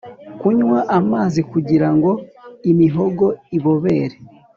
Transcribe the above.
Kunywa amazi kugira ngo imihogo ibobere